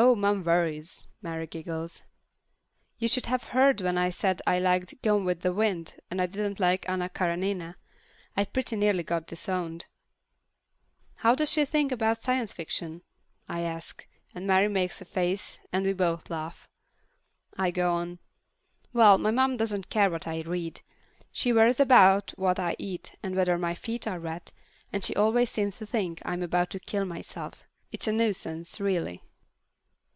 "Oh, Mom worries." Mary giggles. "You should have heard her when I said I liked Gone With the Wind and I didn't like Anna Karenina. I pretty nearly got disowned." "What does she think about science fiction?" I ask, and Mary makes a face, and we both laugh. I go on. "Well, my mom doesn't care what I read. She worries about what I eat and whether my feet are wet, and she always seems to think I'm about to kill myself. It's a nuisance, really."